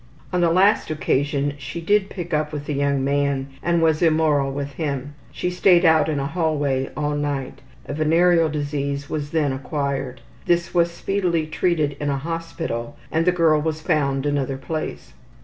On the last occasion she did pick up with a young man and was immoral with him. She stayed out in a hallway all night. A venereal disease was then acquired. This was speedily treated in a hospital and the girl was found another place.